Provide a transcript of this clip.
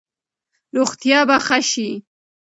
روغتیا به ښه شي.